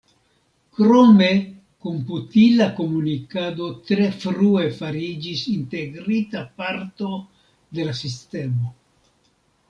Krome komputila komunikado tre frue fariĝis integrita parto de la sistemo.